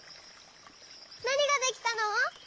なにができたの？